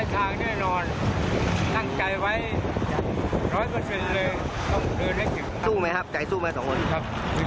ช่วยเพื่อแช่ฝูกวิธี